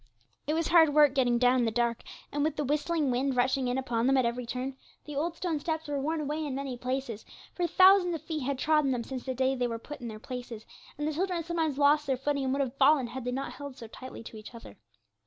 It was hard work getting down in the dark, and with the whistling wind rushing in upon them at every turn; the old stone steps were worn away in many places, for thousands of feet had trodden them since the day they were put in their places, and the children sometimes lost their footing, and would have fallen had they not held so tightly to each other.